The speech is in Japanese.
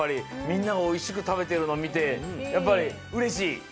みんなおいしくたべてるのみてやっぱりうれしい？